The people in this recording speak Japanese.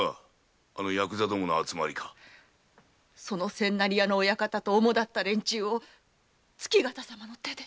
千成屋の親方とおもだった連中を月形様の手で。